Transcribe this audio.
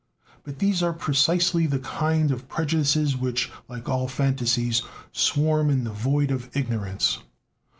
But these are precisely the kind of prejudices which, like all fantasies, swarm in the void of ignorance.